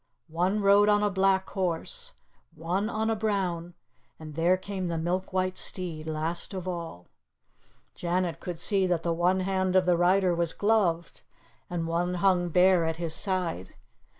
One rode on a black horse, one on a brown, and there came the milk white steed last of all. Janet could see that one hand of the rider was gloved, and one hung bare at his side.